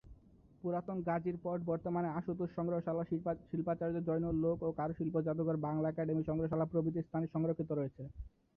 পুরাতন গাজীর পট বর্তমানে আশুতোষ সংগ্রহশালা, শিল্পাচার্য জয়নুল লোক ও কারুশিল্প জাদুঘর, বাংলা একাডেমি সংগ্রহশালা প্রভৃতি স্থানে সংরক্ষিত রয়েছে।